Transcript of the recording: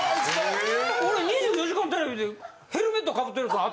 俺『２４時間テレビ』でヘルメット被ってる奴の頭